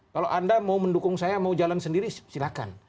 kalau anda mau mendukung saya mau jalan sendiri silakan